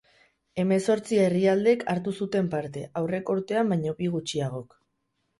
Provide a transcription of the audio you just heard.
Hemezortzi herrialdek hartu zuten parte, aurreko urtean baina bi gutxiagok.